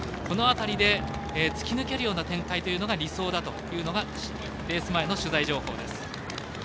この辺りで突き抜けるような展開というのが理想だというのがレース前の取材情報です。